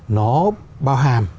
nó bao hàm